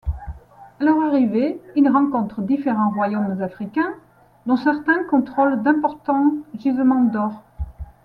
À leur arrivée, ils rencontrent différents royaumes africains dont certains contrôlent d'importants gisements d'or.